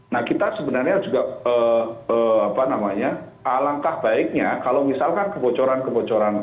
nah kita sebenarnya juga alangkah baiknya kalau misalkan kebocoran kebocoran